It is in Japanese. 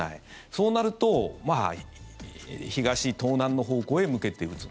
そうなると東、東南の方向へ向けて撃つ。